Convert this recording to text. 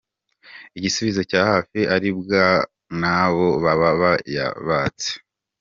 Igisubizo cya hafi aribwa n’abo baba bayabatse.